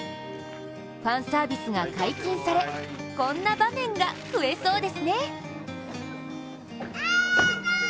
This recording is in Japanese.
ファンサービスが解禁され、こんな場面が増えそうですね。